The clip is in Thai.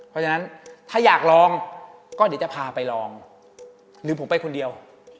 เพราะฉะนั้นถ้าอยากลองก็เดี๋ยวจะพาไปลองหรือผมไปคนเดียว